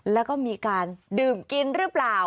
แล้วก็มีการดื่มกินหรือเปล่า